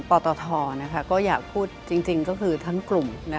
ปตทก็อยากพูดจริงก็คือทั้งกลุ่ม